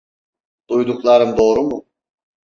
Duyduklarım doğru mu?